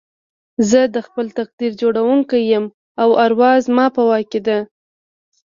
زه د خپل تقدير جوړوونکی يم او اروا زما په واک کې ده.